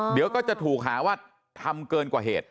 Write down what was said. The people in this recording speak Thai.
เดี๋ยวก็จะถูกหาว่าทำเกินกว่าเหตุ